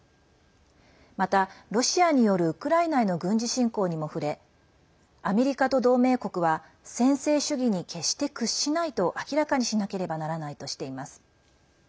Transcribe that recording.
また、ロシアによるウクライナへの軍事侵攻にも触れアメリカと同盟国は専制主義に決して屈しないと明らかにしなければならないとしています。